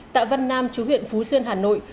tại văn nam chú huyện phú xuyên hà nội